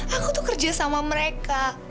aku tuh kerja sama mereka